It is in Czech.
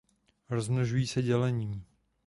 Rozmnožují se dělením.